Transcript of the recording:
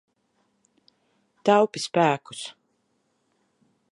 Taupi spēkus.